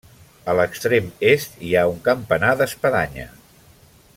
A l'extrem est hi ha un campanar d'espadanya.